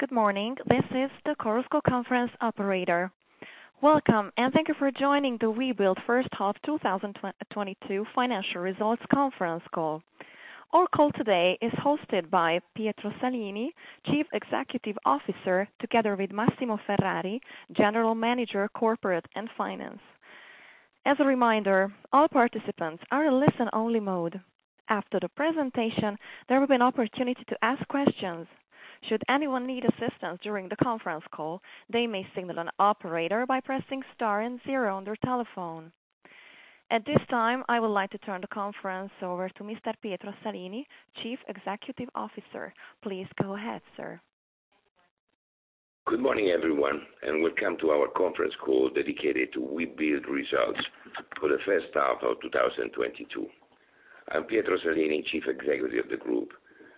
Good morning. This is the Chorus Call conference operator. Welcome, and thank you for joining the Webuild first half 2022 financial results conference call. Our call today is hosted by Pietro Salini, Chief Executive Officer, together with Massimo Ferrari, General Manager, Corporate and Finance. As a reminder, all participants are in listen-only mode. After the presentation, there will be an opportunity to ask questions. Should anyone need assistance during the conference call, they may signal an operator by pressing star and zero on their telephone. At this time, I would like to turn the conference over to Mr. Pietro Salini, Chief Executive Officer. Please go ahead, sir. Good morning, everyone, and welcome to our conference call dedicated to Webuild results for the first half of 2022. I'm Pietro Salini, Chief Executive of the Group,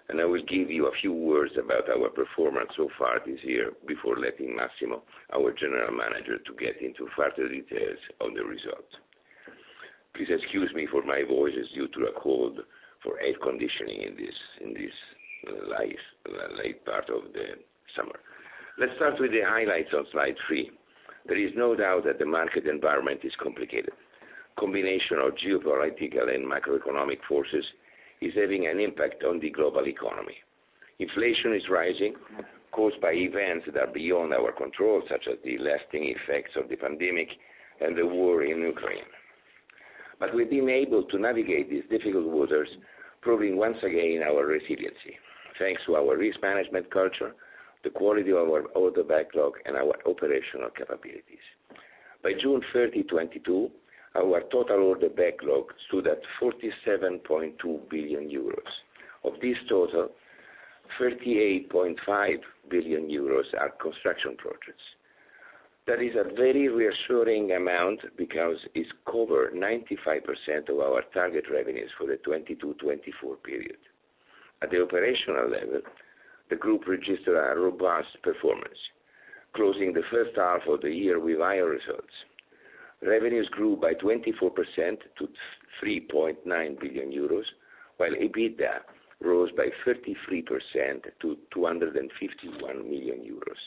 and I will give you a few words about our performance so far this year before letting Massimo, our General Manager, to get into further details on the results. Please excuse me for my voice. It's due to a cold from air conditioning in this late part of the summer. Let's start with the highlights on slide 3. There is no doubt that the market environment is complicated. Combination of geopolitical and macroeconomic forces is having an impact on the global economy. Inflation is rising, caused by events that are beyond our control, such as the lasting effects of the pandemic and the war in Ukraine. We've been able to navigate these difficult waters, proving once again our resiliency. Thanks to our risk management culture, the quality of our order backlog, and our operational capabilities. By June 30, 2022, our total order backlog stood at 47.2 billion euros. Of this total, 38.5 billion euros are construction projects. That is a very reassuring amount because it covers 95% of our target revenues for the 2022-2024 period. At the operational level, the group registered a robust performance, closing the first half of the year with higher results. Revenues grew by 24% to 3.9 billion euros, while EBITDA rose by 33% to 251 million euros.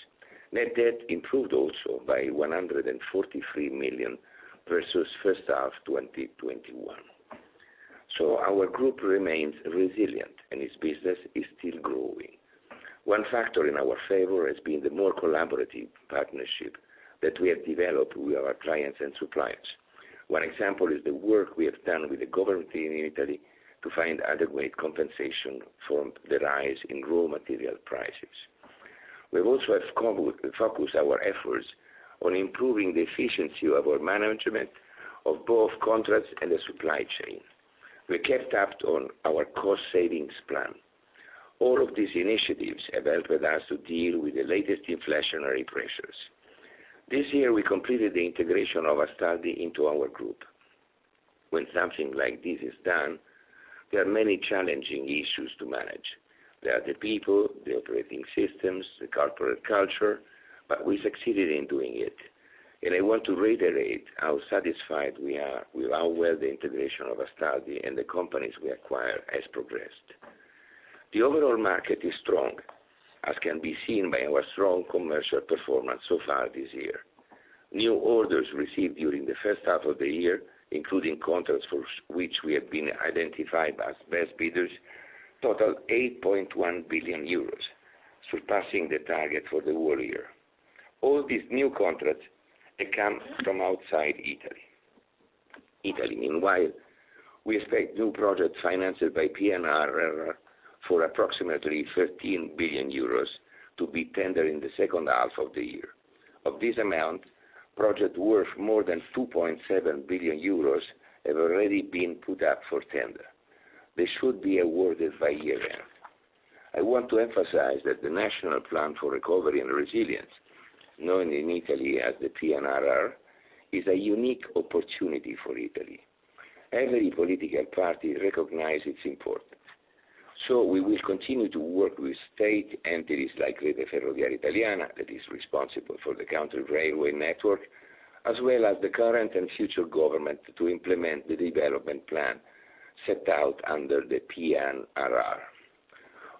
Net debt improved also by 143 million versus first half 2021. Our group remains resilient, and its business is still growing. One factor in our favor has been the more collaborative partnership that we have developed with our clients and suppliers. One example is the work we have done with the government in Italy to find adequate compensation for the rise in raw material prices. We also have focused our efforts on improving the efficiency of our management of both contracts and the supply chain. We kept up on our cost savings plan. All of these initiatives have helped us to deal with the latest inflationary pressures. This year, we completed the integration of Astaldi into our group. When something like this is done, there are many challenging issues to manage. There are the people, the operating systems, the corporate culture, but we succeeded in doing it. I want to reiterate how satisfied we are with how well the integration of Astaldi and the companies we acquired has progressed. The overall market is strong, as can be seen by our strong commercial performance so far this year. New orders received during the first half of the year, including contracts for which we have been identified as best bidders, total 8.1 billion euros, surpassing the target for the whole year. All these new contracts come from outside Italy. Italy, meanwhile, we expect new projects financed by PNRR for approximately 13 billion euros to be tendered in the second half of the year. Of this amount, projects worth more than 2.7 billion euros have already been put up for tender. They should be awarded by year-end. I want to emphasize that the National Recovery and Resilience Plan, known in Italy as the PNRR, is a unique opportunity for Italy. Every political party recognize its importance. We will continue to work with state entities like the Rete Ferroviaria Italiana, that is responsible for the country railway network, as well as the current and future government to implement the development plan set out under the PNRR.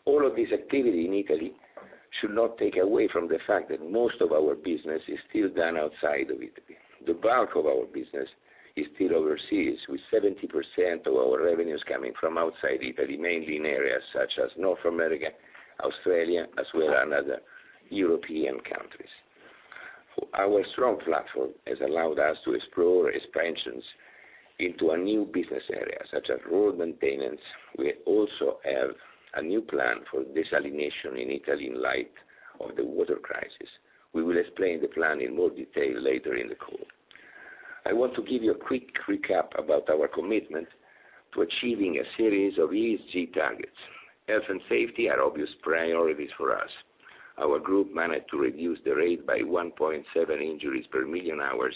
All of this activity in Italy should not take away from the fact that most of our business is still done outside of Italy. The bulk of our business is still overseas, with 70% of our revenues coming from outside Italy, mainly in areas such as North America, Australia, as well as other European countries. Our strong platform has allowed us to explore expansions into a new business area, such as road maintenance. We also have a new plan for desalination in Italy in light of the water crisis. We will explain the plan in more detail later in the call. I want to give you a quick recap about our commitment to achieving a series of ESG targets. Health and safety are obvious priorities for us. Our group managed to reduce the rate by 1.7 injuries per million hours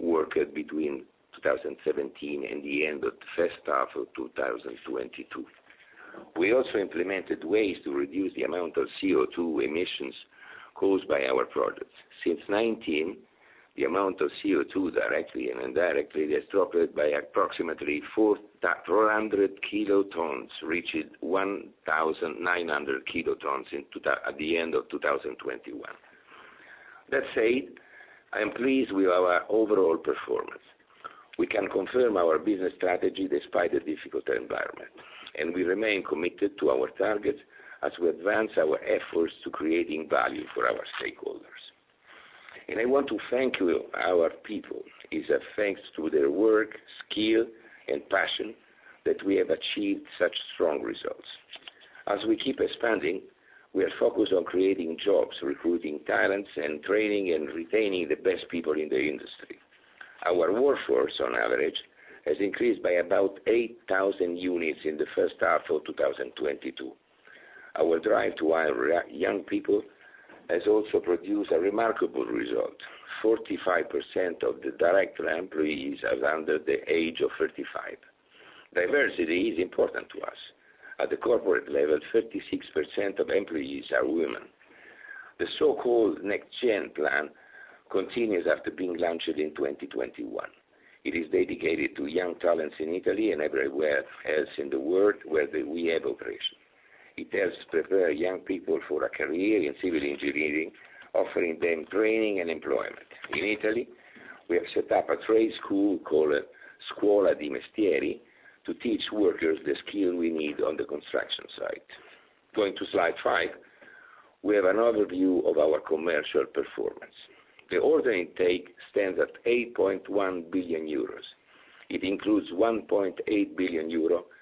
worked between 2017 and the end of the first half of 2022. We also implemented ways to reduce the amount of CO2 emissions caused by our projects. Since 2019, the amount of CO2 directly and indirectly has dropped by approximately 400 kilotons, reaching 1,900 kt at the end of 2021. That said, I am pleased with our overall performance. We can confirm our business strategy despite the difficult environment, and we remain committed to our targets as we advance our efforts to creating value for our stakeholders. I want to thank you, our people. It's thanks to their work, skill, and passion that we have achieved such strong results. As we keep expanding, we are focused on creating jobs, recruiting talents, and training and retaining the best people in the industry. Our workforce, on average, has increased by about 8,000 units in the first half of 2022. Our drive to hire young people has also produced a remarkable result. 45% of the direct employees are under the age of 35. Diversity is important to us. At the corporate level, 36% of employees are women. The so-called NextGen plan continues after being launched in 2021. It is dedicated to young talents in Italy and everywhere else in the world where we have operations. It helps prepare young people for a career in civil engineering, offering them training and employment. In Italy, we have set up a trade school called Scuola dei Mestieri to teach workers the skills we need on the construction site. Going to slide 5, we have an overview of our commercial performance. The order intake stands at 8.1 billion euros. It includes 1.8 billion euro worth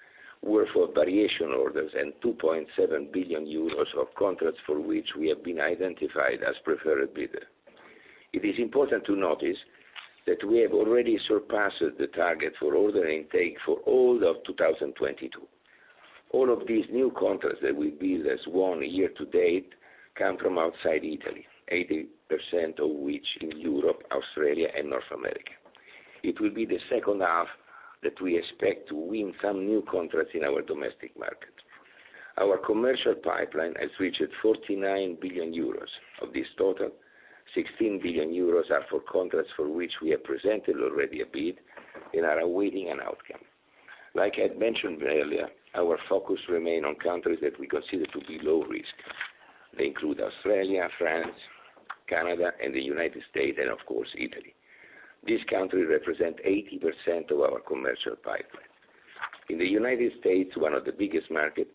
of variation orders and 2.7 billion euros of contracts for which we have been identified as preferred bidder. It is important to notice that we have already surpassed the target for order intake for all of 2022. All of these new contracts that we've booked as of year to date come from outside Italy, 80% of which in Europe, Australia, and North America. It will be the second half that we expect to win some new contracts in our domestic market. Our commercial pipeline has reached 49 billion euros. Of this total, 16 billion euros are for contracts for which we have presented already a bid and are awaiting an outcome. Like I'd mentioned earlier, our focus remain on countries that we consider to be low risk. They include Australia, France, Canada, and the United States, and of course, Italy. These countries represent 80% of our commercial pipeline. In the United States, one of the biggest markets,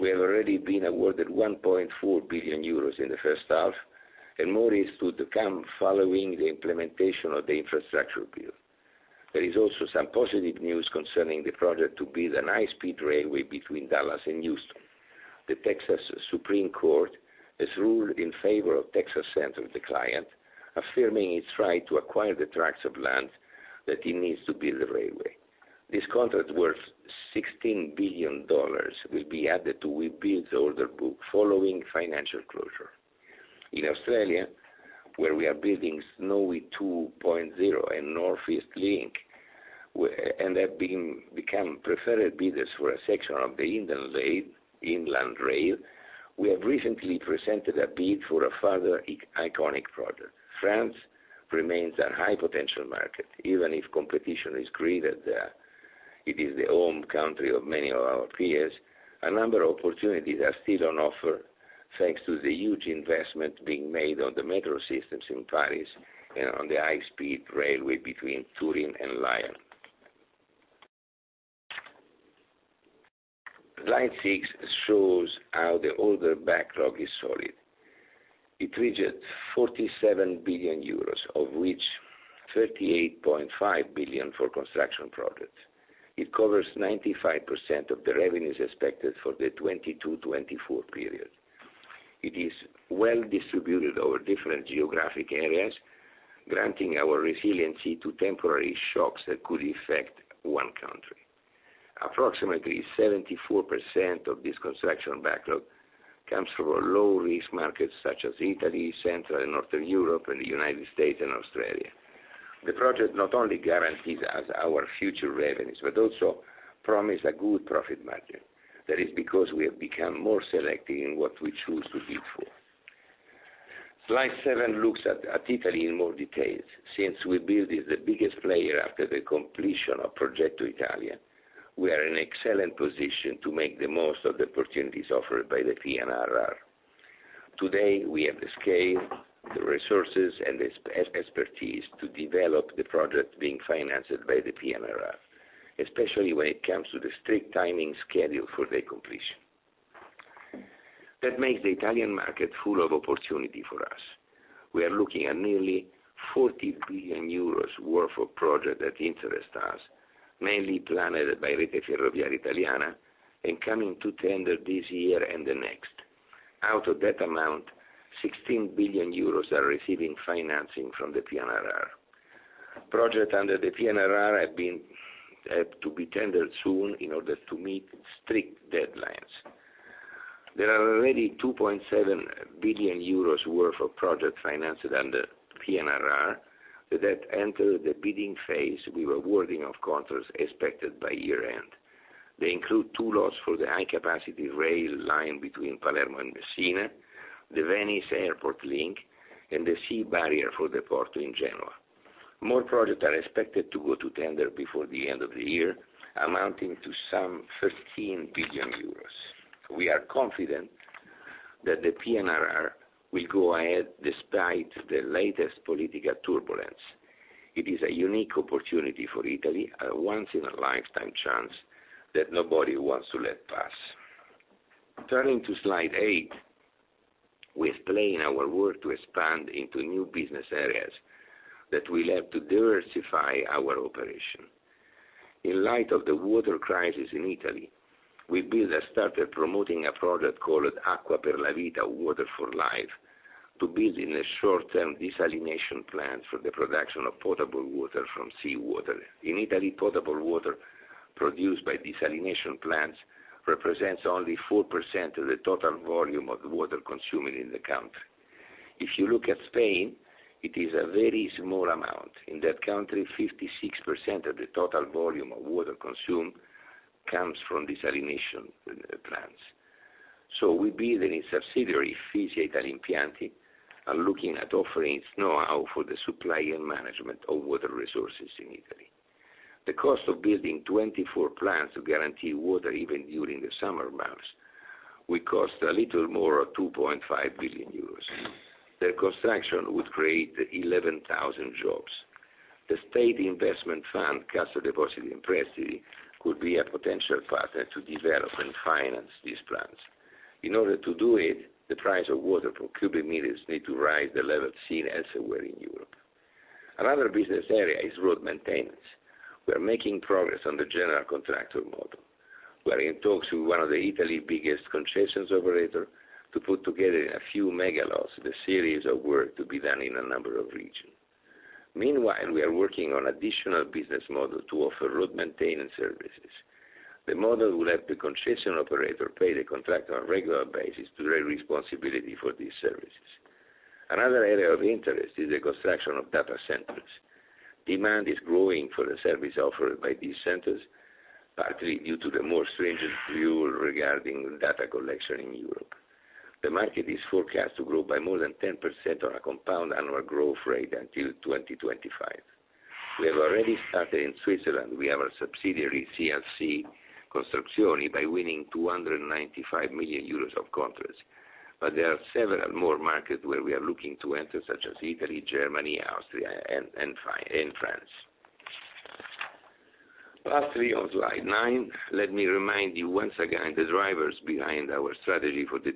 we have already been awarded 1.4 billion euros in the first half, and more is to come following the implementation of the infrastructure bill. There is also some positive news concerning the project to build a high-speed railway between Dallas and Houston. The Supreme Court of Texas has ruled in favor of Texas Central, the client, affirming its right to acquire the tracts of land that it needs to build the railway. This contract, worth $16 billion, will be added to Webuild's order book following financial closure. In Australia, where we are building Snowy 2.0 and North East Link, and have become preferred bidders for a section of the Inland Rail, we have recently presented a bid for a further iconic project. France remains a high-potential market, even if competition is greater there. It is the home country of many of our peers. A number of opportunities are still on offer, thanks to the huge investment being made on the metro systems in Paris and on the high-speed railway between Turin and Lyon. Slide six shows how the order backlog is solid. It reaches 47 billion euros, of which 38.5 billion for construction projects. It covers 95% of the revenues expected for the 2022-2024 period. It is well distributed over different geographic areas, granting our resiliency to temporary shocks that could affect one country. Approximately 74% of this construction backlog comes from our low-risk markets such as Italy, Central and Northern Europe, and the United States and Australia. The project not only guarantees us our future revenues, but also promise a good profit margin. That is because we have become more selective in what we choose to bid for. Slide 7 looks at Italy in more details. Since Webuild is the biggest player after the completion of Progetto Italia, we are in excellent position to make the most of the opportunities offered by the PNRR. Today, we have the scale, the resources, and the expertise to develop the project being financed by the PNRR, especially when it comes to the strict timing schedule for their completion. That makes the Italian market full of opportunity for us. We are looking at nearly 40 billion euros worth of project that interests us, mainly planned by Rete Ferroviaria Italiana and coming to tender this year and the next. Out of that amount, 16 billion euros are receiving financing from the PNRR. Project under the PNRR have been to be tendered soon in order to meet strict deadlines. There are already 2.7 billion euros worth of project financed under PNRR that enter the bidding phase, with awarding of contracts expected by year-end. They include two lots for the high-capacity rail line between Palermo and Messina, the Venice Airport link, and the sea barrier for the port in Genoa. More projects are expected to go to tender before the end of the year, amounting to some 13 billion euros. We are confident that the PNRR will go ahead despite the latest political turbulence. It is a unique opportunity for Italy, a once-in-a-lifetime chance that nobody wants to let pass. Turning to slide 8, we explain our work to expand into new business areas that will help to diversify our operation. In light of the water crisis in Italy, we built and started promoting a project called Acqua per la Vita, Water for Life, to build in the short term desalination plants for the production of potable water from seawater. In Italy, potable water produced by desalination plants represents only 4% of the total volume of water consumed in the country. If you look at Spain, it is a very small amount. In that country, 56% of the total volume of water consumed comes from desalination plants. Webuild subsidiary, Fisia Italimpianti, is looking at offering its know-how for the supply and management of water resources in Italy. The cost of building 24 plants to guarantee water even during the summer months will cost a little more, 2.5 billion euros. Their construction would create 11,000 jobs. The state investment fund, Cassa Depositi e Prestiti, could be a potential partner to develop and finance these plants. In order to do it, the price of water per cubic meters needs to rise to the level seen elsewhere in Europe. Another business area is road maintenance. We are making progress on the general contractor model. We are in talks with one of Italy's biggest concessions operators to put together a few mega-lots, a series of work to be done in a number of regions. Meanwhile, we are working on additional business models to offer road maintenance services. The model will let the concession operator pay the contractor on a regular basis to their responsibility for these services. Another area of interest is the construction of data centers. Demand is growing for the service offered by these centers, partly due to the more stringent view regarding data collection in Europe. The market is forecast to grow by more than 10% on a compound annual growth rate until 2025. We have already started in Switzerland. We have a subsidiary, CSC Costruzioni, by winning 295 million euros of contracts. But there are several more markets where we are looking to enter, such as Italy, Germany, Austria, and France. Lastly, on slide nine, let me remind you once again the drivers behind our strategy for the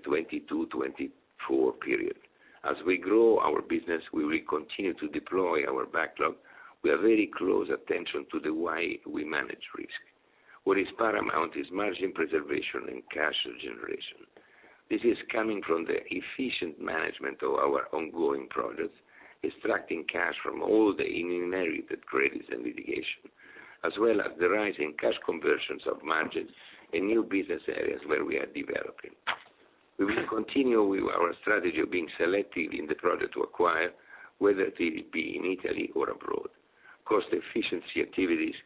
2022-2024 period. As we grow our business, we will continue to deploy our backlog with a very close attention to the way we manage risk. What is paramount is margin preservation and cash generation. This is coming from the efficient management of our ongoing projects, extracting cash from all the enumerated credits and litigation, as well as the rising cash conversions of margins in new business areas where we are developing. We will continue with our strategy of being selective in the project to acquire, whether it be in Italy or abroad. Cost efficiency activities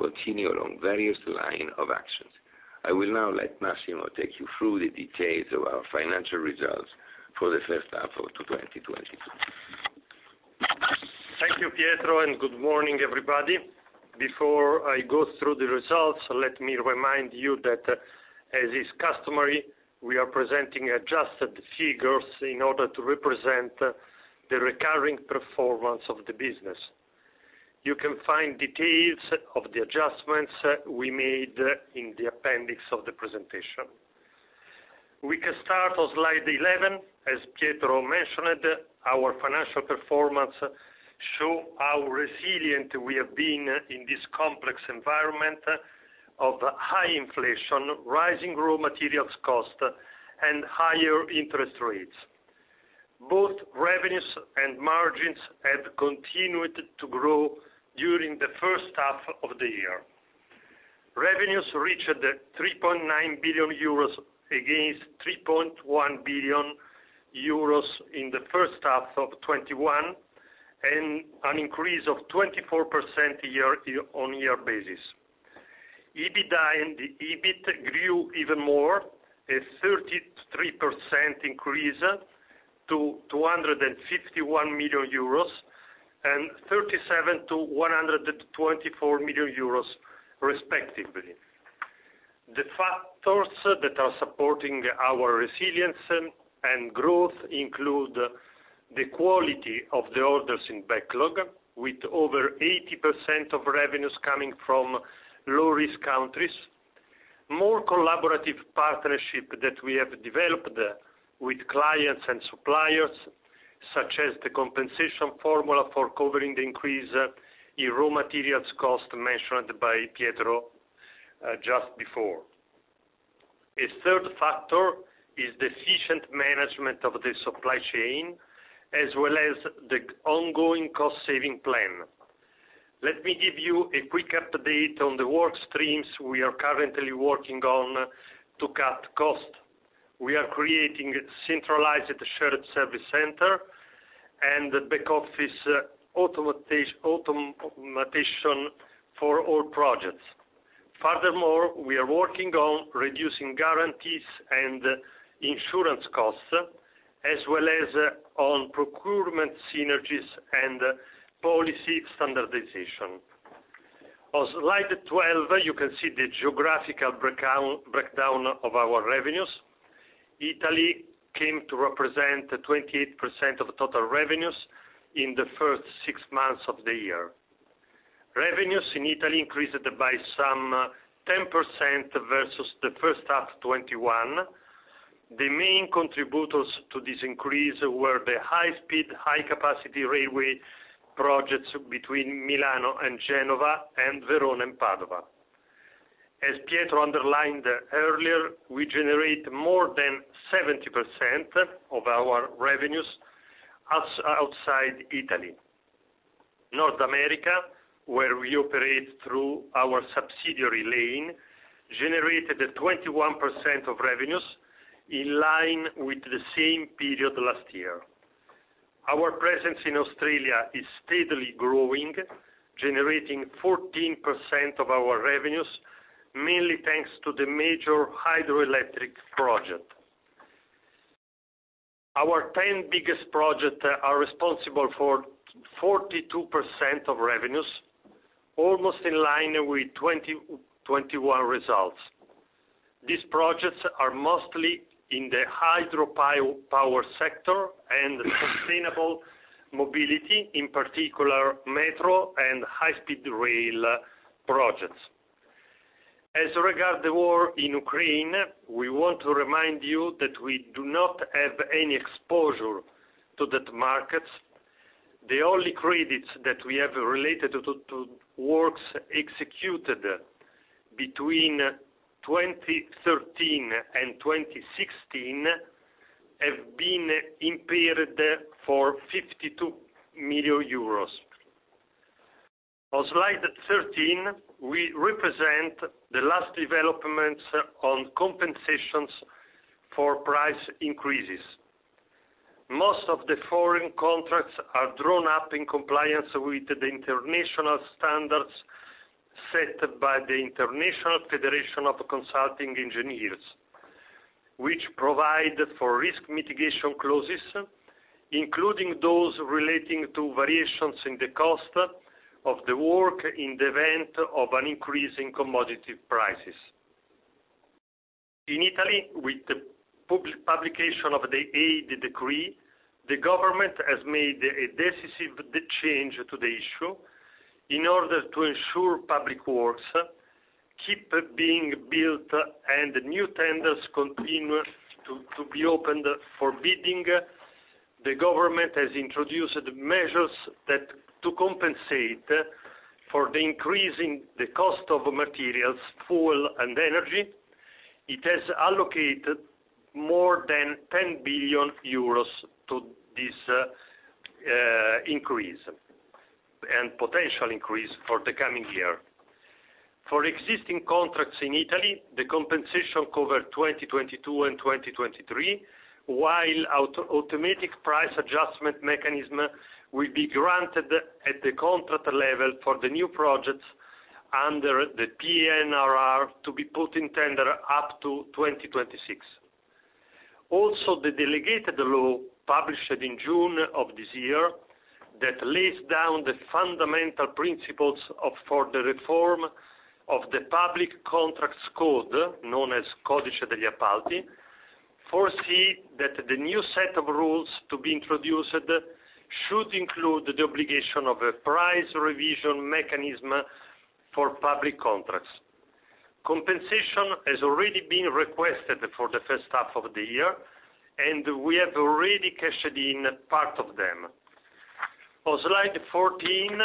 continue along various line of actions. I will now let Massimo take you through the details of our financial results for the first half of 2022. Thank you, Pietro, and good morning, everybody. Before I go through the results, let me remind you that, as is customary, we are presenting adjusted figures in order to represent the recurring performance of the business. You can find details of the adjustments we made in the appendix of the presentation. We can start on slide 11. As Pietro mentioned, our financial performance show how resilient we have been in this complex environment of high inflation, rising raw materials cost, and higher interest rates. Both revenues and margins have continued to grow during the first half of the year. Revenues reached 3.9 billion euros, against 3.1 billion euros in the first half of 2021, and an increase of 24% year-on-year basis. EBITDA and the EBIT grew even more, a 33% increase to 251 million euros, and 37% to 124 million euros respectively. The factors that are supporting our resilience and growth include the quality of the orders in backlog, with over 80% of revenues coming from low-risk countries. More collaborative partnership that we have developed with clients and suppliers, such as the compensation formula for covering the increase in raw materials cost mentioned by Pietro just before. A third factor is the efficient management of the supply chain, as well as the ongoing cost-saving plan. Let me give you a quick update on the work streams we are currently working on to cut costs. We are creating a centralized shared service center and the back office automation for all projects. Furthermore, we are working on reducing guarantees and insurance costs, as well as on procurement synergies and policy standardization. On slide 12, you can see the geographical breakdown of our revenues. Italy came to represent 28% of total revenues in the first six months of the year. Revenues in Italy increased by some 10% versus the first half 2021. The main contributors to this increase were the high speed, high capacity railway projects between Milano and Genova, and Verona and Padova. As Pietro underlined earlier, we generate more than 70% of our revenues outside Italy. North America, where we operate through our subsidiary Lane, generated 21% of revenues, in line with the same period last year. Our presence in Australia is steadily growing, generating 14% of our revenues, mainly thanks to the major hydroelectric project. Our 10 biggest projects are responsible for 42% of revenues, almost in line with 2021 results. These projects are mostly in the hydropower sector and sustainable mobility, in particular metro and high-speed rail projects. As regards the war in Ukraine, we want to remind you that we do not have any exposure to that market. The only credits that we have related to works executed between 2013 and 2016 have been impaired for 52 million euros. On slide 13, we represent the last developments on compensations for price increases. Most of the foreign contracts are drawn up in compliance with the international standards set by the International Federation of Consulting Engineers, which provide for risk mitigation clauses, including those relating to variations in the cost of the work in the event of an increase in commodity prices. In Italy, with the public publication of the Aiuti Decree, the government has made a decisive change to the issue in order to ensure public works keep being built and new tenders continue to be opened for bidding. The government has introduced measures that to compensate for the increase in the cost of materials, fuel, and energy. It has allocated more than 10 billion euros to this, increase and potential increase for the coming year. For existing contracts in Italy, the compensation cover 2022 and 2023, while automatic price adjustment mechanism will be granted at the contract level for the new projects under the PNRR to be put in tender up to 2026. The delegated law published in June of this year that lays down the fundamental principles for the reform of the public contracts code, known as Codice dei contratti pubblici, foresee that the new set of rules to be introduced should include the obligation of a price revision mechanism for public contracts. Compensation has already been requested for the first half of the year, and we have already cashed in part of them. On slide 14,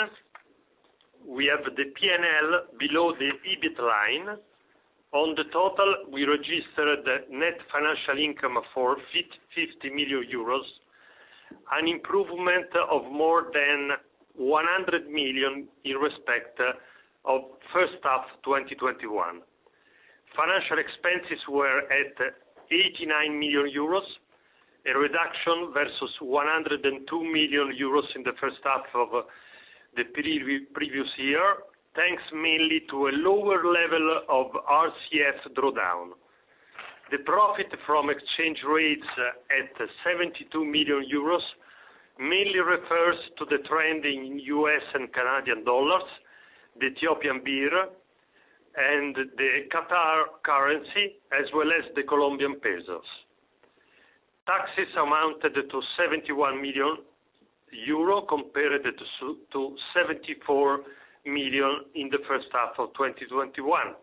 we have the P&L below the EBIT line. On the total, we registered net financial income of 50 million euros, an improvement of more than 100 million in respect of first half 2021. Financial expenses were at 89 million euros, a reduction versus 102 million euros in the first half of the previous year, thanks mainly to a lower level of RCF drawdown. The profit from exchange rates at 72 million euros mainly refers to the trend in US and Canadian dollars, the Ethiopian birr, and the Qatar currency, as well as the Colombian pesos. Taxes amounted to 71 million euro, compared to 74 million in the first half of 2021.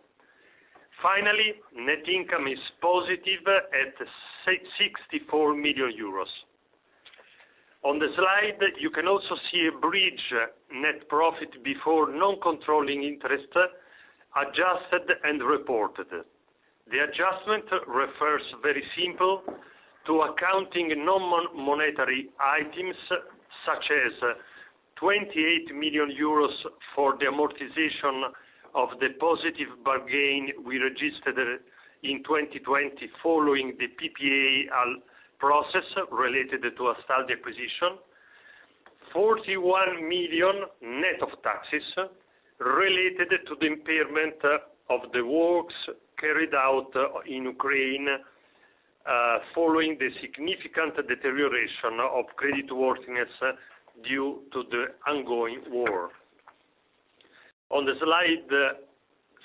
Finally, net income is positive at 64 million euros. On the slide, you can also see a bridge net profit before non-controlling interest, adjusted and reported. The adjustment refers very simply to accounting non-monetary items such as 28 million euros for the amortization of the positive bargain we registered in 2020 following the PPA process related to Astaldi acquisition. 41 million, net of taxes, related to the impairment of the works carried out in Ukraine following the significant deterioration of creditworthiness due to the ongoing war. On the slide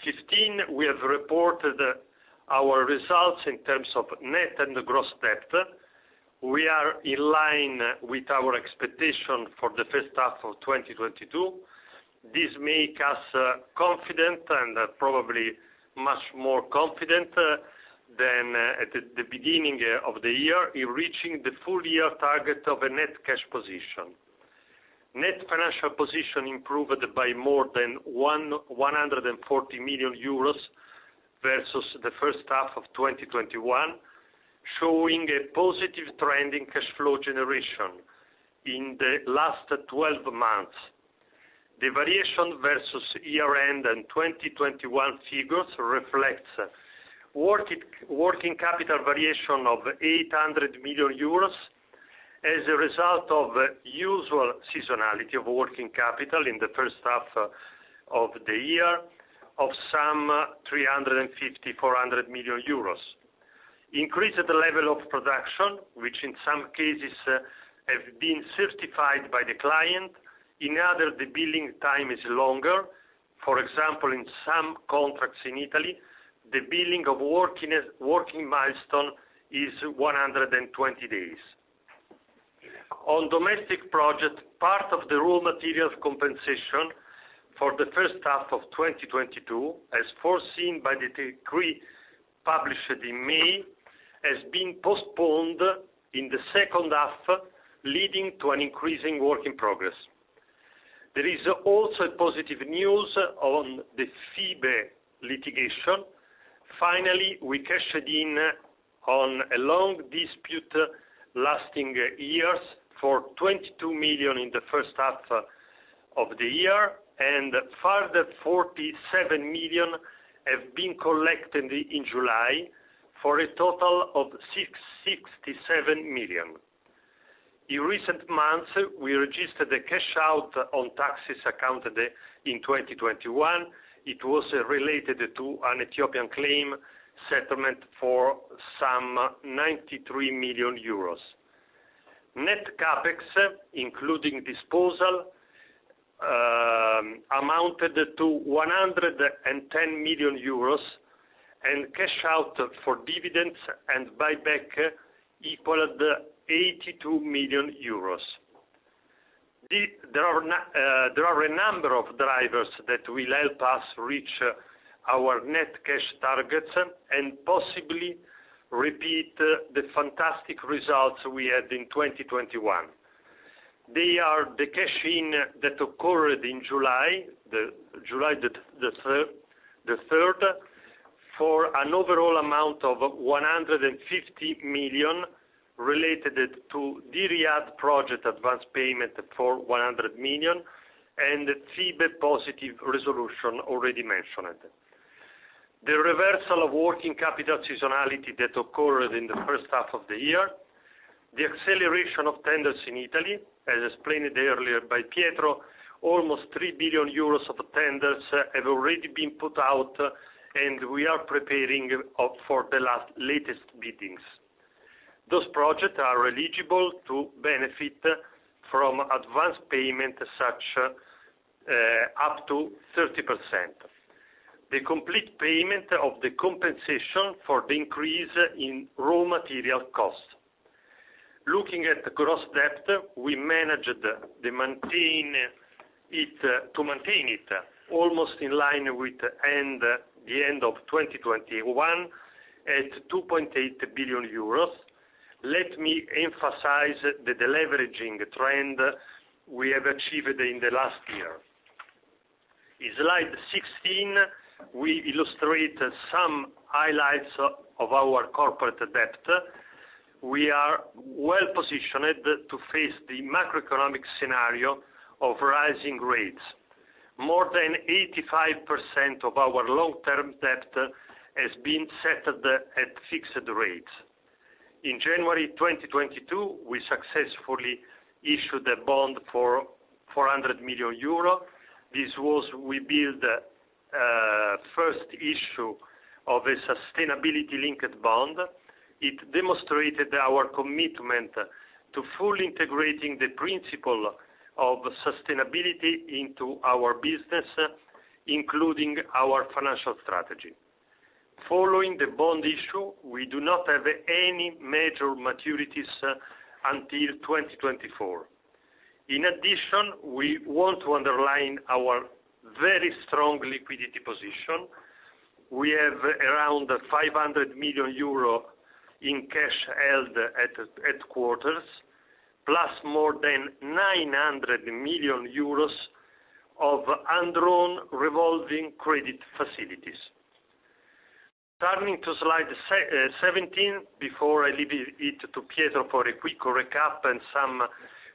15, we have reported our results in terms of net and gross debt. We are in line with our expectation for the first half of 2022. This make us confident, and probably much more confident than at the beginning of the year, in reaching the full year target of a net cash position. Net financial position improved by more than 140 million euros, versus the first half of 2021, showing a positive trend in cash flow generation in the last 12 months. The variation versus year-end and 2021 figures reflects working capital variation of 800 million euros as a result of usual seasonality of working capital in the first half of the year of some 350-400 million euros. Increased level of production, which in some cases have been certified by the client. In other, the billing time is longer. For example, in some contracts in Italy, the billing of working milestone is 120 days. On domestic projects, part of the raw materials compensation for the first half of 2022, as foreseen by the decree published in May, has been postponed in the second half, leading to an increase in work in progress. There is also positive news on the FIBE litigation. Finally, we cashed in on a long dispute lasting years for 22 million in the first half of the year, and a further 47 million have been collected in July, for a total of 69 million. In recent months, we registered a cash out on taxes accounted in 2021. It was related to an Ethiopian claim settlement for some 93 million euros. Net CapEx, including disposal, amounted to 110 million euros, and cash out for dividends and buyback equaled 82 million euros. There are a number of drivers that will help us reach our net cash targets, and possibly repeat the fantastic results we had in 2021. They are the cash-in that occurred in July the third, for an overall amount of 150 million related to the Riyadh project advance payment for 100 million, and the FIBE positive resolution already mentioned. The reversal of working capital seasonality that occurred in the first half of the year, the acceleration of tenders in Italy, as explained earlier by Pietro, almost 3 billion euros of tenders have already been put out, and we are preparing for the latest meetings. Those projects are eligible to benefit from advanced payment, such up to 30%. The complete payment of the compensation for the increase in raw material costs. Looking at the gross debt, we managed to maintain it almost in line with the end of 2021, at 2.8 billion euros. Let me emphasize the deleveraging trend we have achieved in the last year. In slide 16, we illustrate some highlights of our corporate debt. We are well-positioned to face the macroeconomic scenario of rising rates. More than 85% of our long-term debt has been set at fixed rates. In January 2022, we successfully issued a bond for 400 million euro. This was Webuild first issue of a Sustainability-Linked Bond. It demonstrated our commitment to fully integrating the principle of sustainability into our business, including our financial strategy. Following the bond issue, we do not have any major maturities until 2024. In addition, we want to underline our very strong liquidity position. We have around 500 million euro in cash held at headquarters, plus more than 900 million euros of undrawn revolving credit facilities. Turning to slide seventeen, before I leave it to Pietro for a quick recap and some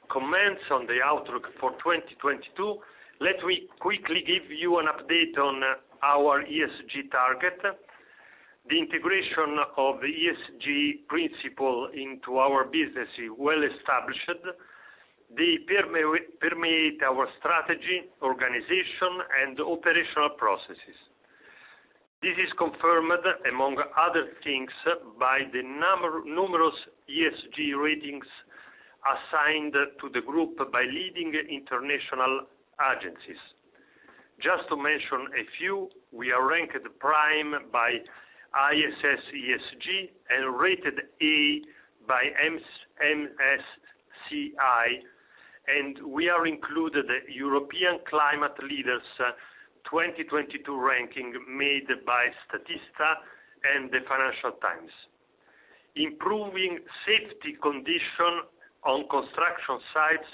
comments on the outlook for 2022, let me quickly give you an update on our ESG target. The integration of the ESG principle into our business is well established. They permeate our strategy, organization, and operational processes. This is confirmed, among other things, by the numerous ESG ratings assigned to the group by leading international agencies. Just to mention a few, we are ranked prime by ISS ESG and rated A by MSCI, and we are included European Climate Leaders 2022 ranking made by Statista and the Financial Times. Improving safety condition on construction sites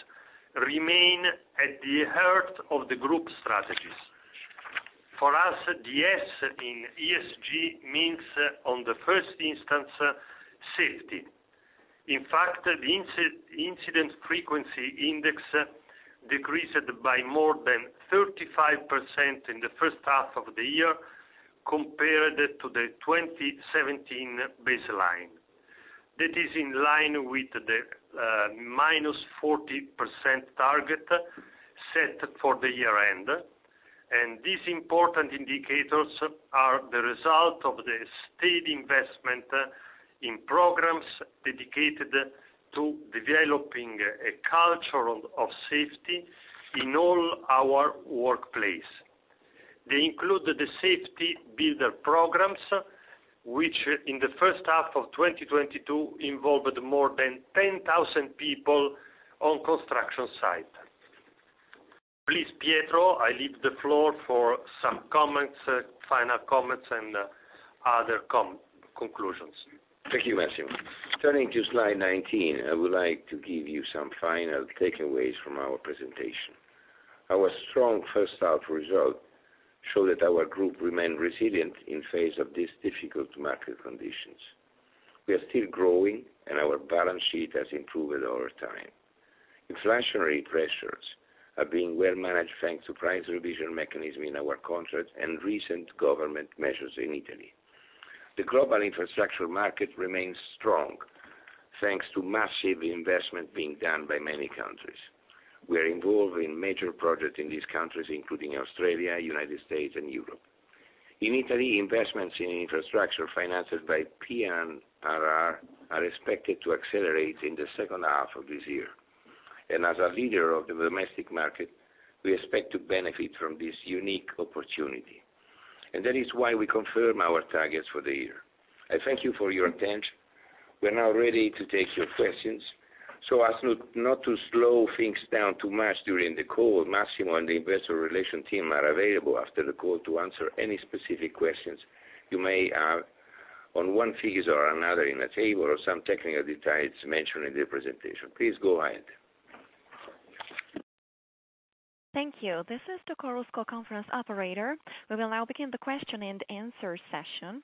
remain at the heart of the group strategies. For us, the S in ESG means, on the first instance, safety. In fact, the incident frequency index decreased by more than 35% in the first half of the year compared to the 2017 baseline. That is in line with the minus 40% target set for the year-end. These important indicators are the result of the steady investment in programs dedicated to developing a culture of safety in all our workplace. They include the Safety Builders programs, which in the first half of 2022 involved more than 10,000 people on construction site. Please, Pietro, I leave the floor for some comments, final comments and other conclusions. Thank you, Massimo. Turning to slide 19, I would like to give you some final takeaways from our presentation. Our strong first half result show that our group remain resilient in face of these difficult market conditions. We are still growing, and our balance sheet has improved over time. Inflationary pressures are being well managed thanks to price revision mechanism in our contract and recent government measures in Italy. The global infrastructure market remains strong, thanks to massive investment being done by many countries. We are involved in major projects in these countries, including Australia, United States, and Europe. In Italy, investments in infrastructure financed by PNRR are expected to accelerate in the second half of this year. As a leader of the domestic market, we expect to benefit from this unique opportunity. That is why we confirm our targets for the year. I thank you for your attention. We're now ready to take your questions. As not to slow things down too much during the call, Massimo and the Investor Relations team are available after the call to answer any specific questions you may have on one figure or another in a table or some technical details mentioned in the presentation. Please go ahead. Thank you. This is the Chorus Call conference operator. We will now begin the question and answer session.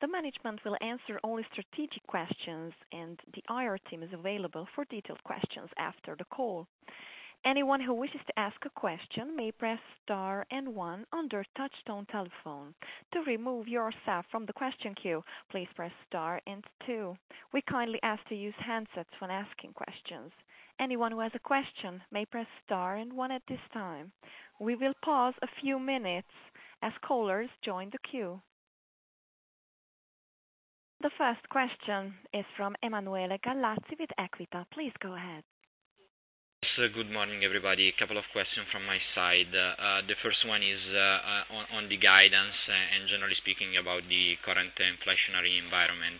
The management will answer only strategic questions, and the IR team is available for detailed questions after the call. Anyone who wishes to ask a question may press star and one on their touchtone telephone. To remove yourself from the question queue, please press star and two. We kindly ask to use handsets when asking questions. Anyone who has a question may press star and one at this time. We will pause a few minutes as callers join the queue. The first question is from Emanuele Gallazzi with Equita. Please go ahead. Yes, good morning, everybody. A couple of questions from my side. The first one is on the guidance and generally speaking about the current inflationary environment.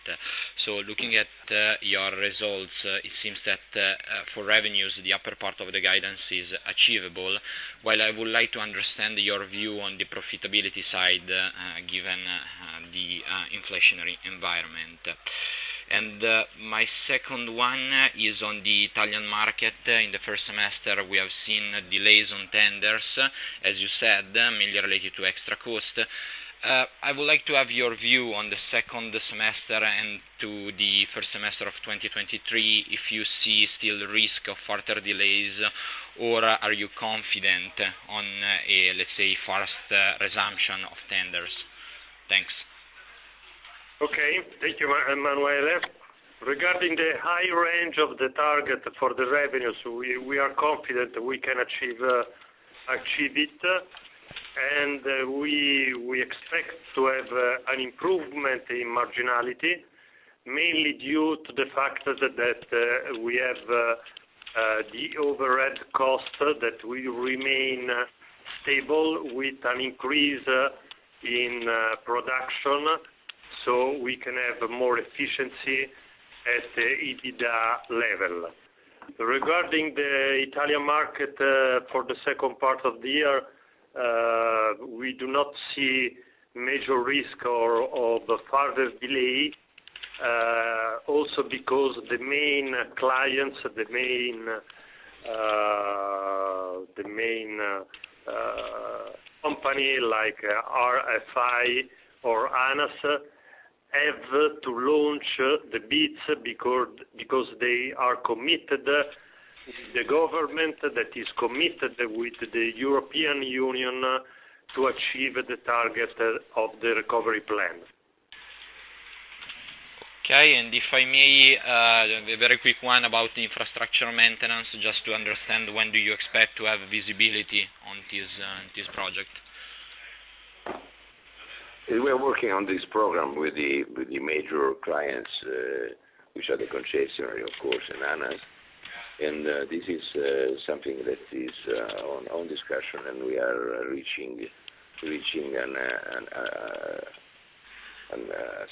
Looking at your results, it seems that for revenues, the upper part of the guidance is achievable. While I would like to understand your view on the profitability side, given the inflationary environment. My second one is on the Italian market. In the first semester, we have seen delays on tenders, as you said, mainly related to extra cost. I would like to have your view on the second semester and the first semester of 2023, if you see still risk of further delays, or are you confident on, let's say, fast resumption of tenders? Thanks. Okay. Thank you, Emanuele. Regarding the high range of the target for the revenues, we are confident we can achieve it. We expect to have an improvement in marginality, mainly due to the fact that we have the overhead cost that will remain stable with an increase in production, so we can have more efficiency at the EBITDA level. Regarding the Italian market, for the second part of the year, we do not see major risk or the further delay, also because the main clients, the main Companies like RFI or ANAS have to launch the bids because they are committed. The government that is committed with the European Union to achieve the target of the recovery plan. Okay. If I may, a very quick one about infrastructure maintenance, just to understand when do you expect to have visibility on this project? We are working on this program with the major clients, which are the concessionaires, of course, and ANAS. This is something that is under discussion, and we are reaching a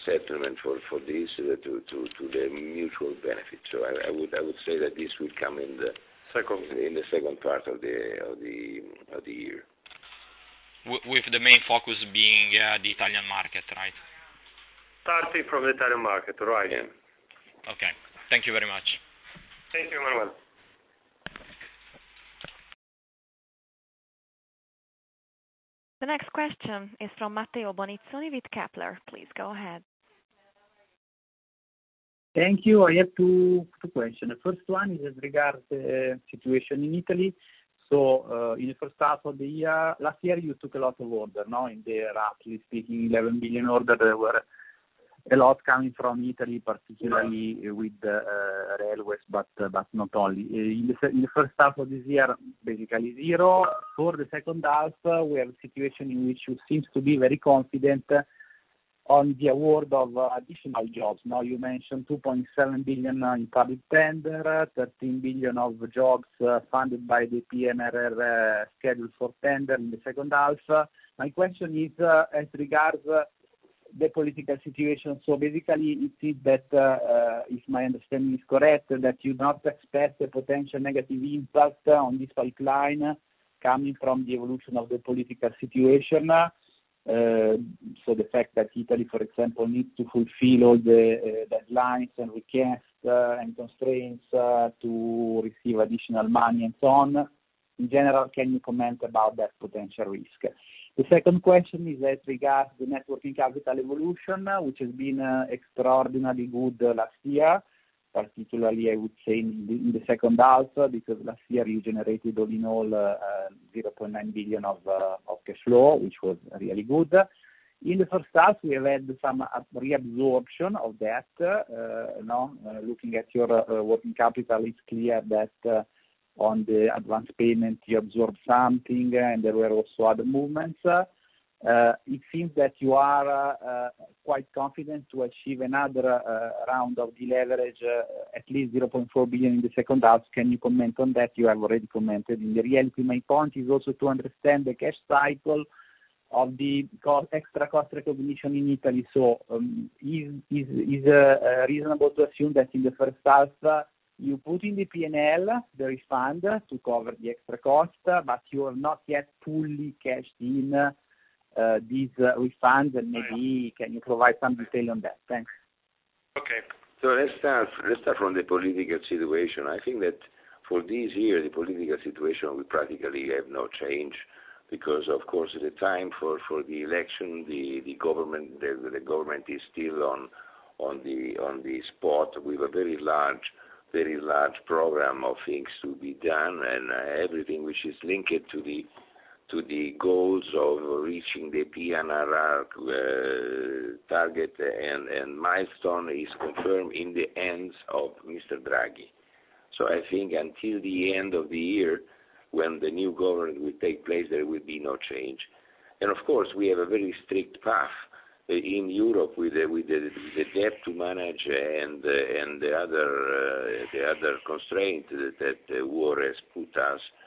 settlement for this to the mutual benefit. I would say that this will come in the- Second In the second part of the year. With the main focus being, the Italian market, right? Starting from the Italian market, right? Okay. Thank you very much. Thank you, Emanuele. The next question is from Matteo Bonizzoni with Kepler. Please go ahead. Thank you. I have two questions. The first one regards the situation in Italy. In the first half of the year, last year, you took a lot of orders. Roughly speaking, 11 billion orders, there were a lot coming from Italy, particularly with the railways, but not only. In the first half of this year, basically zero. For the second half, we have a situation in which you seem very confident on the award of additional jobs. You mentioned 2.7 billion in public tenders, 13 billion of jobs funded by the PNRR scheduled for tender in the second half. My question is as regards the political situation. Basically, it seems that if my understanding is correct, that you not expect a potential negative impact on this pipeline coming from the evolution of the political situation. The fact that Italy, for example, needs to fulfill all the deadlines and requests and constraints to receive additional money and so on. In general, can you comment about that potential risk? The second question is as regards the net working capital evolution, which has been extraordinarily good last year, particularly, I would say in the second half, because last year you generated all in all 0.9 billion of cash flow, which was really good. In the first half, we have had some reabsorption of that, now, looking at your working capital, it's clear that, on the advanced payment, you absorb something, and there were also other movements. It seems that you are quite confident to achieve another round of deleverage, at least 0.4 billion in the second half. Can you comment on that? You have already commented. The real important point is also to understand the cash cycle of the extra cost recognition in Italy. Is it reasonable to assume that in the first half you put in the P&L the refund to cover the extra cost, but you have not yet fully cashed in these refunds? And maybe can you provide some detail on that? Thanks. Okay. Let's start from the political situation. I think that for this year, the political situation will practically have no change because of course, at the time for the election, the government is still on the spot with a very large program of things to be done, and everything which is linked to the goals of reaching the PNRR target and milestone is confirmed in the hands of Mr. Draghi. I think until the end of the year, when the new government will take place, there will be no change. Of course, we have a very strict path in Europe with the debt to manage and the other constraint that war has put us with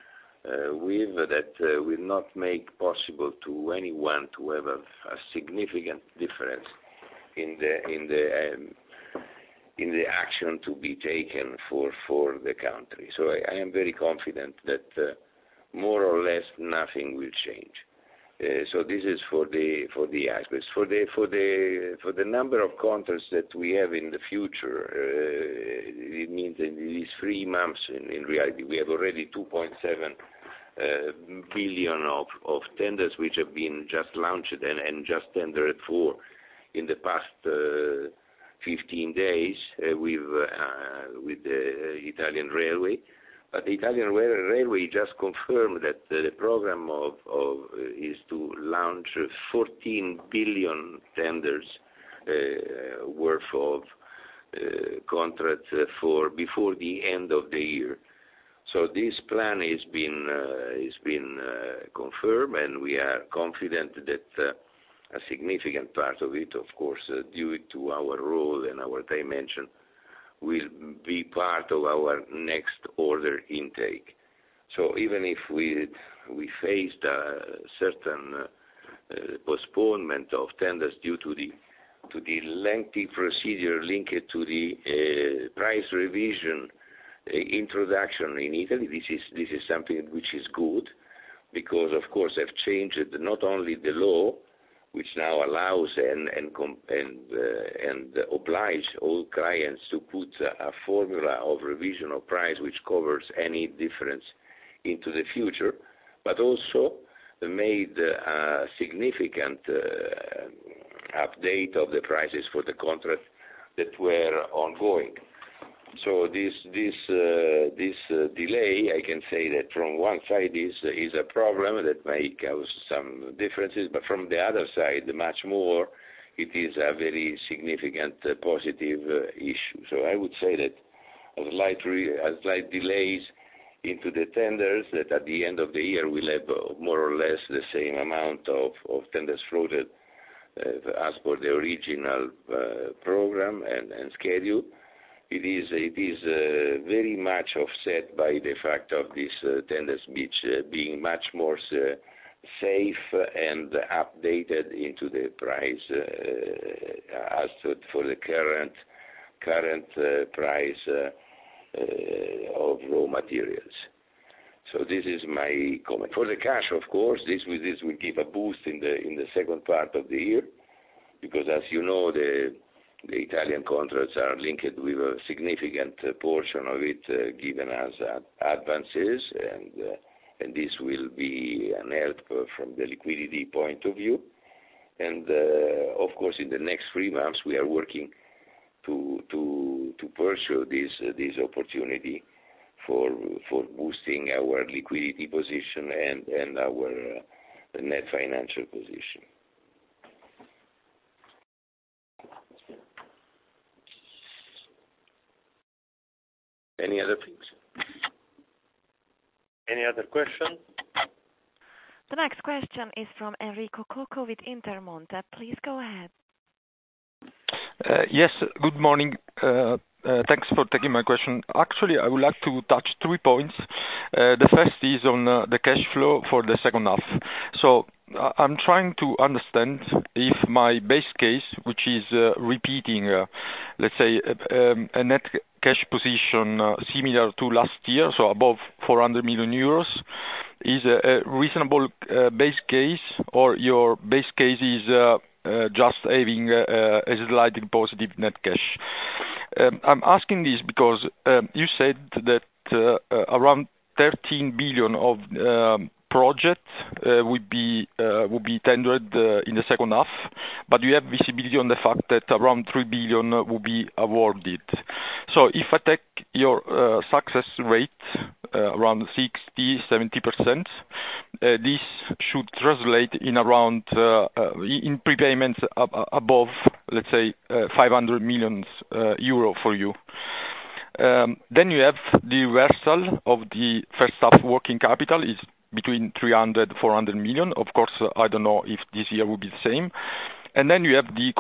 that will not make possible to anyone to have a significant difference in the action to be taken for the country. I am very confident that more or less nothing will change. This is for the aspects. For the number of contracts that we have in the future, it means in these three months, in reality, we have already 2.7 billion of tenders, which have been just launched and just tendered for in the past 15 days with the Italian railway. The Italian railway just confirmed that the program is to launch tenders worth EUR 14 billion before the end of the year. This plan has been confirmed, and we are confident that a significant part of it, of course, due to our role and our dimension, will be part of our next order intake. Even if we faced a certain postponement of tenders due to the lengthy procedure linked to the price revision introduction in Italy, this is something which is good because of course have changed not only the law which now allows and obliges all clients to put a formula of revision price which covers any difference into the future, but also made a significant update of the prices for the contracts that were ongoing. This delay, I can say that from one side this is a problem that may cause some differences, but from the other side, much more, it is a very significant positive issue. I would say that as slight delays in the tenders, that at the end of the year, we'll have more or less the same amount of tenders floated, as per the original program and schedule. It is very much offset by the fact of this tender specs being much more safe and updated to the price, as for the current price of raw materials. This is my comment. For the cash, of course, this will give a boost in the second part of the year, because as you know, the Italian contracts are linked with a significant portion of it, given as advances, and this will be a help from the liquidity point of view. Of course, in the next three months, we are working to pursue this opportunity for boosting our liquidity position and our net financial position. Any other things? Any other question? The next question is from Enrico Cocco with Intermonte. Please go ahead. Yes. Good morning. Thanks for taking my question. Actually, I would like to touch three points. The first is on the cash flow for the second half. I'm trying to understand if my base case, which is repeating, let's say, a net cash position similar to last year, so above 400 million euros, is a reasonable base case, or your base case is just having a slight positive net cash. I'm asking this because you said that around 13 billion of projects would be tendered in the second half, but you have visibility on the fact that around 3 billion will be awarded. If I take your success rate around 60%-70%, this should translate into around prepayments above, let's say, 500 million euro for you. Then you have the reversal of the first half working capital is between 300-400 million. Of course, I don't know if this year will be the same. Then you have the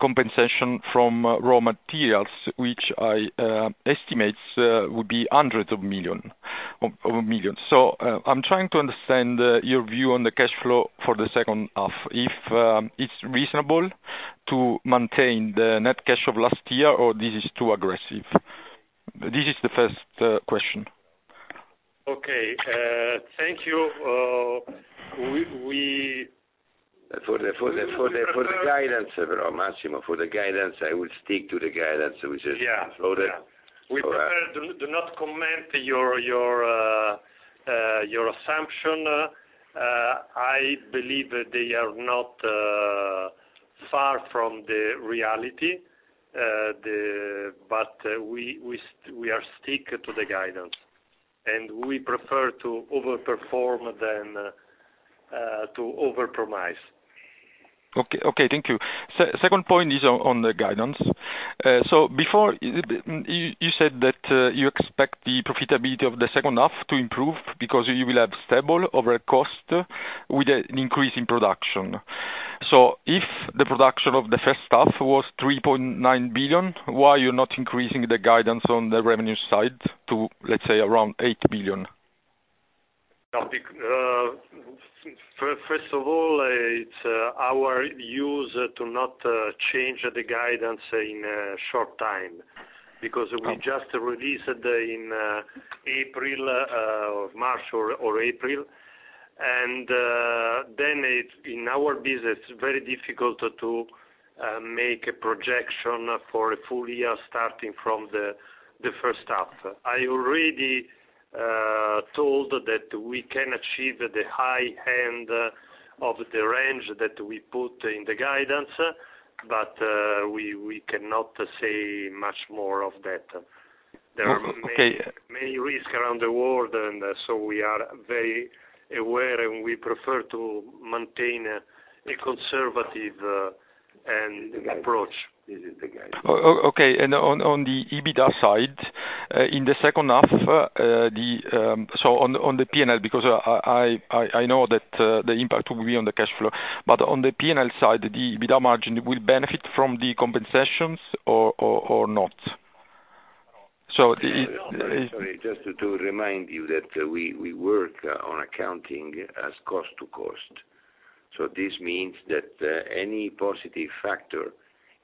compensation from raw materials, which I estimate would be hundreds of millions. I'm trying to understand your view on the cash flow for the second half, if it's reasonable to maintain the net cash of last year, or this is too aggressive. This is the first question. Okay, thank you. For the guidance, Massimo, I would stick to the guidance we just floated. We prefer not to comment on your assumption. I believe that they are not far from the reality. We are sticking to the guidance, and we prefer to over-perform than to overpromise. Okay. Thank you. Second point is on the guidance. Before, you said that you expect the profitability of the second half to improve because you will have stable overhead cost with an increase in production. If the production of the first half was 3.9 billion, why are you not increasing the guidance on the revenue side to, let's say, around 8 billion? First of all, it's usual to not change the guidance in a short time, because we just released in March or April. Then it's in our business very difficult to make a projection for a full year starting from the first half. I already told that we can achieve the high end of the range that we put in the guidance, but we cannot say much more than that. Okay. There are many risks around the world, and so we are very aware, and we prefer to maintain a conservative and approach. This is the guide. Okay. On the EBITDA side, in the second half, on the P&L, because I know that the impact will be on the cash flow, but on the P&L side, the EBITDA margin will benefit from the compensations or not? So is- Sorry, just to remind you that we work on accounting as cost to cost. This means that any positive factor.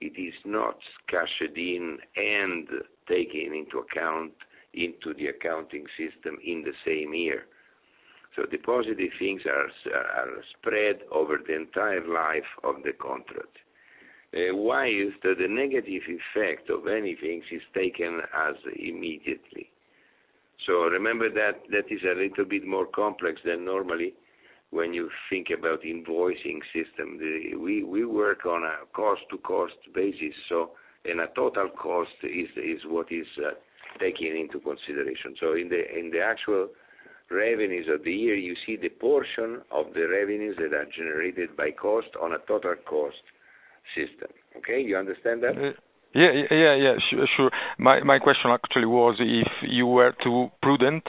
It is not cashed in and taken into account into the accounting system in the same year. The positive things are spread over the entire life of the contract. Whereas the negative effect of anything is taken immediately. Remember that is a little bit more complex than normally when you think about invoicing system. We work on a cost to cost basis, and a total cost is what is taken into consideration. In the actual revenues of the year, you see the portion of the revenues that are generated by cost on a total cost system. Okay. You understand that? Yeah. Yeah, sure. My question actually was if you were too prudent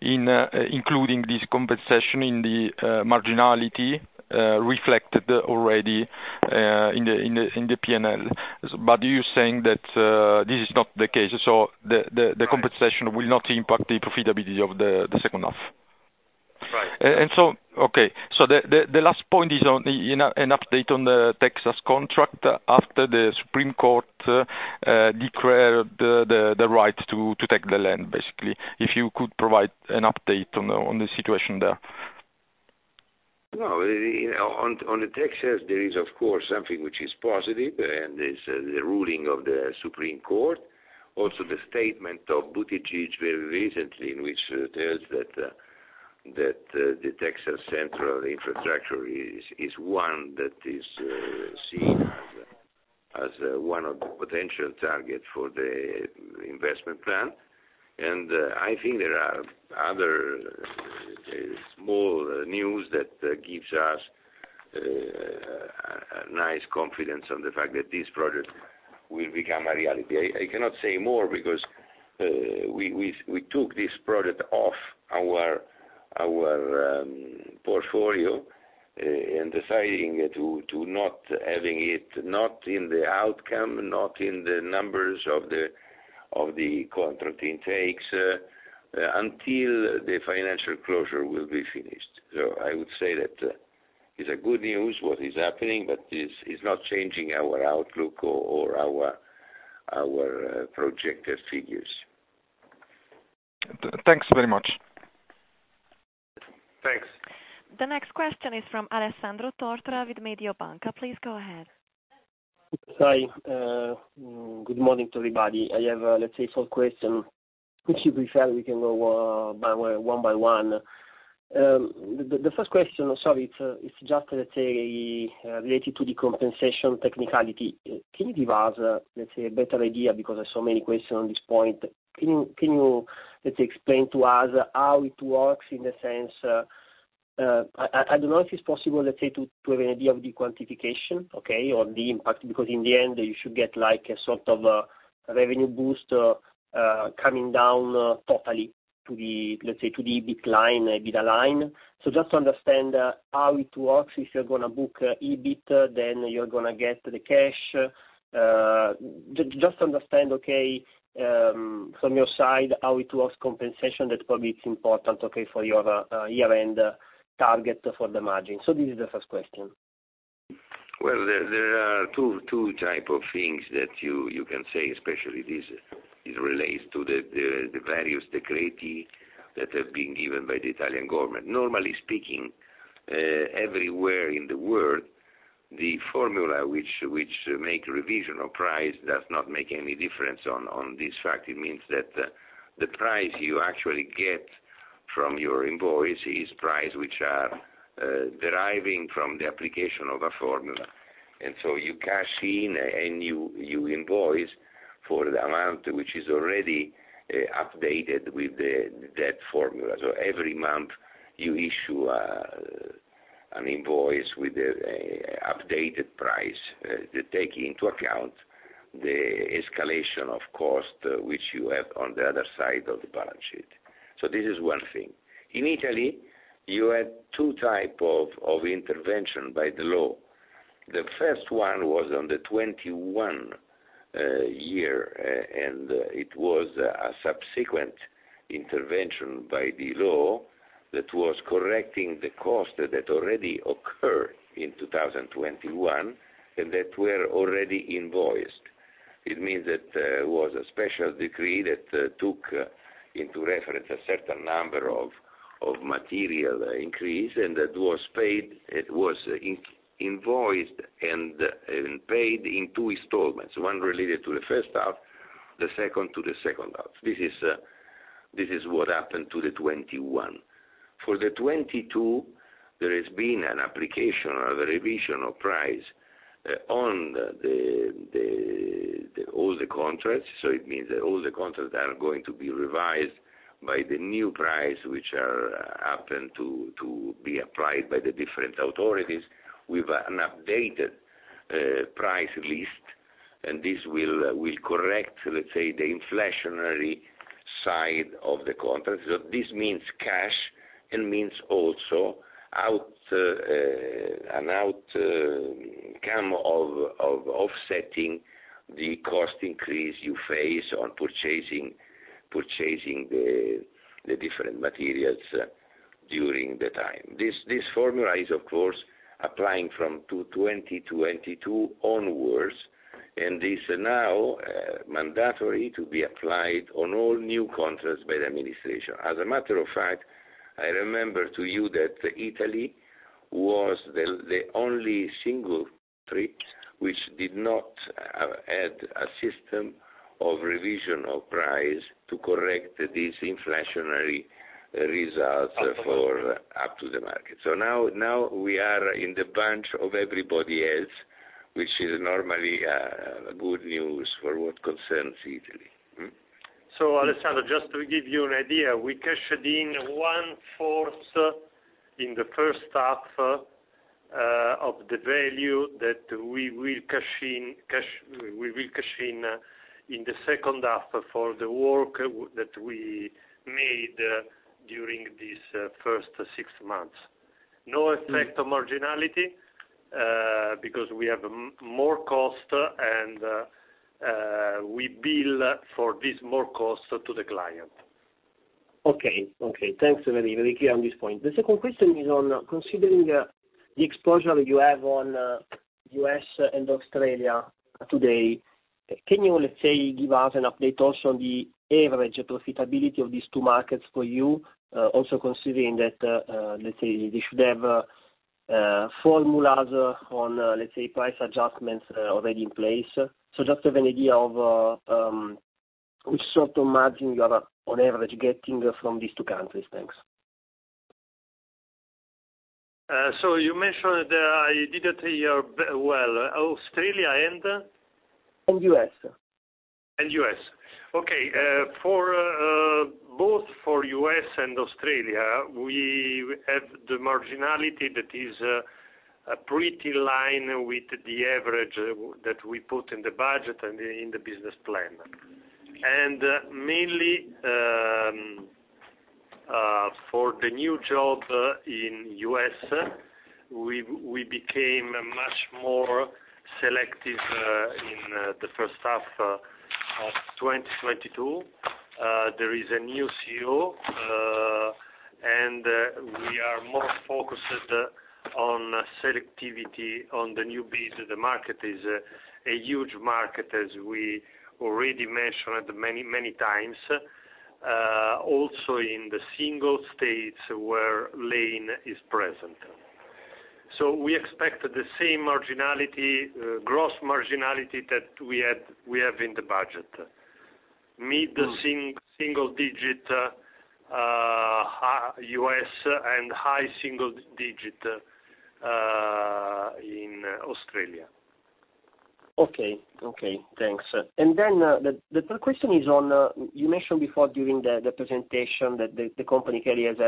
in including this conversation in the marginality reflected already in the P&L. You're saying that this is not the case, so the compensation will not impact the profitability of the second half. Right. The last point is on, you know, an update on the Texas contract after the Supreme Court of Texas declared the right to take the land, basically. If you could provide an update on the situation there. No. You know, on the Texas, there is of course something which is positive, and is the ruling of the Supreme Court. Also the statement of Buttigieg very recently in which it tells that the Texas Central infrastructure is one that is seen as one of the potential targets for the investment plan. I think there are other small news that gives us nice confidence on the fact that this project will become a reality. I cannot say more because we took this project off our portfolio in deciding to not having it, not in the outlook, not in the numbers of the contract intakes until the financial closure will be finished. I would say that is a good news what is happening, but this is not changing our outlook or our projected figures. Thanks very much. Thanks. The next question is from Alessandro Tortora with Mediobanca. Please go ahead. Hi. Good morning to everybody. I have, let's say, four questions, which if you prefer, we can go one by one. The first question, sorry, it's just let's say, related to the compensation technicality. Can you give us, let's say, a better idea because there's so many questions on this point. Can you explain to us how it works in the sense, I don't know if it's possible, let's say, to have an idea of the quantification, okay, or the impact, because in the end, you should get like a sort of a revenue boost, coming down totally to the, let's say, to the EBIT line, EBITDA line. Just to understand how it works, if you're gonna book EBIT, then you're gonna get the cash. Just to understand, okay, from your side, how it was compensation that probably it's important, okay, for your year-end target for the margin. This is the first question. Well, there are two types of things that you can say, especially this relates to the various decree that have been given by the Italian government. Normally speaking, everywhere in the world, the formula which make revision of price does not make any difference on this fact. It means that the price you actually get from your invoice is price which are deriving from the application of a formula. You cash in and you invoice for the amount which is already updated with that formula. Every month you issue an invoice with an updated price to take into account the escalation of cost which you have on the other side of the balance sheet. This is one thing. In Italy, you had two types of intervention by the law. The first one was on the 2021 year, and it was a subsequent intervention by the law that was correcting the costs that already occurred in 2021 and that were already invoiced. It means that it was a special decree that took into reference a certain number of material increases, and that was paid, it was invoiced and paid in two installments, one related to the first half, the second to the second half. This is what happened to the 2021. For the 2022, there has been an application or the revision of prices on the all the contracts. It means that all the contracts are going to be revised by the new price, which are happen to be applied by the different authorities with an updated price list, and this will correct, let's say, the inflationary side of the contract. This means cash and means also an outcome of offsetting. The cost increase you face on purchasing the different materials during the time. This formula is, of course, applying from 2022 onwards, and is now mandatory to be applied on all new contracts by the administration. As a matter of fact, I remember to you that Italy was the only single country which did not have a system of revision of price to correct these inflationary results for up to the market. Now we are in the bunch of everybody else, which is normally good news for what concerns Italy. Alessandro, just to give you an idea, we cashed in one-fourth in the first half of the value that we will cash in in the second half for the work that we made during this first six months. No effect on marginality, because we have more cost and we bill for this more cost to the client. Okay. Thanks very, very clear on this point. The second question is on considering the exposure you have on U.S. and Australia today, can you, let's say, give us an update also on the average profitability of these two markets for you, also considering that, let's say, they should have formulas on, let's say, price adjustments already in place? So just to have an idea of which sort of margin you are on average getting from these two countries. Thanks. You mentioned, I didn't hear very well, Australia and? U.S. U.S. Okay. For both the U.S. and Australia, we have the marginality that is pretty in line with the average that we put in the budget and in the business plan. Mainly, for the new job in the U.S., we became much more selective in the first half of 2022. There is a new CEO, and we are more focused on selectivity on the new business. The market is a huge market, as we already mentioned many times, also in the single states where Lane is present. We expect the same marginality, gross marginality that we have in the budget. Mid-single-digit % in the U.S., and high single-digit % in Australia. Okay. Thanks. The third question is on you mentioned before during the presentation that the company clearly has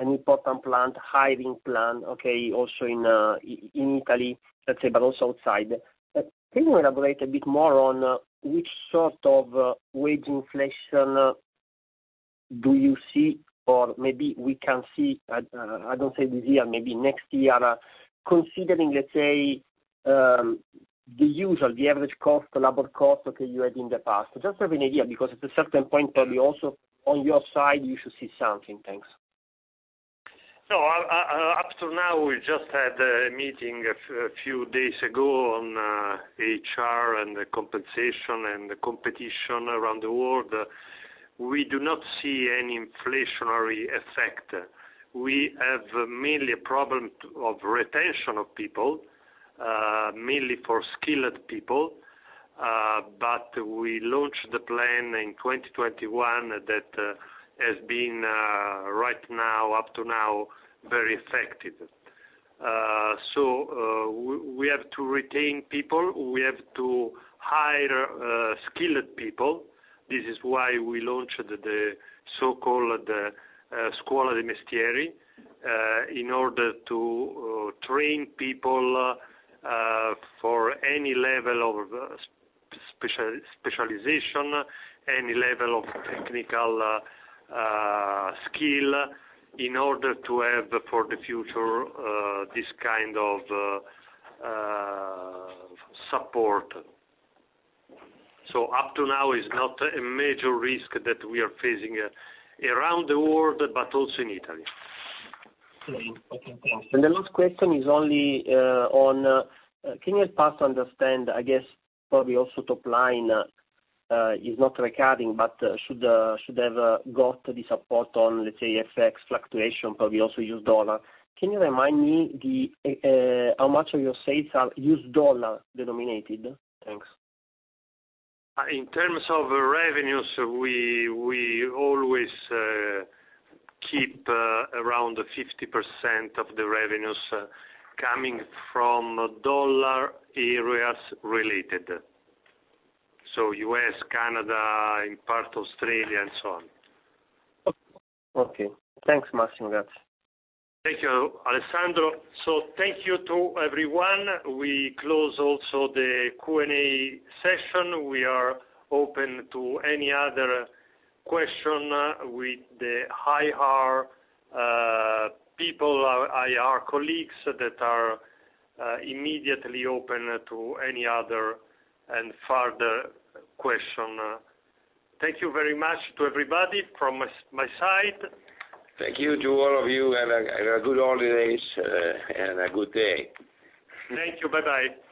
an important hiring plan, okay, also in Italy, let's say, but also outside. Can you elaborate a bit more on which sort of wage inflation do you see or maybe we can see, I don't say this year, maybe next year, considering, let's say, the usual average labor cost, okay, you had in the past? Just to have an idea, because at a certain point, probably also on your side, you should see something. Thanks. Up to now, we just had a meeting a few days ago on HR and compensation and competition around the world. We do not see any inflationary effect. We have mainly a problem of retention of people, mainly for skilled people, but we launched the plan in 2021 that has been, right now, up to now, very effective. We have to retain people. We have to hire skilled people. This is why we launched the so-called Scuola dei Mestieri in order to train people for any level of specialization, any level of technical skill, in order to have for the future this kind of support. Up to now is not a major risk that we are facing around the world, but also in Italy. Okay, thanks. The last question is only on can you help us understand, I guess, probably also top line is not recurring, but should have got the support on, let's say, FX fluctuation, probably also U.S. dollar. Can you remind me how much of your sales are U.S. dollar denominated? Thanks. In terms of revenues, we always keep around 50% of the revenues coming from dollar areas related. U.S., Canada, in part Australia, and so on. Okay. Thanks, Massimo. Thank you, Alessandro. Thank you to everyone. We close also the Q&A session. We are open to any other question with the IR people, our IR colleagues that are immediately open to any other and further question. Thank you very much to everybody from my side. Thank you to all of you, and good holidays and a good day. Thank you. Bye-bye.